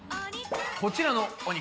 こちらのお肉。